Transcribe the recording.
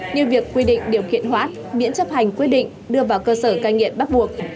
như việc quy định điều kiện hoãn miễn chấp hành quyết định đưa vào cơ sở cai nghiện bắt buộc